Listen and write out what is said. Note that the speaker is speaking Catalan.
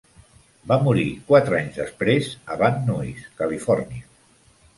Va morir quatre anys després a Van Nuys, Califòrnia.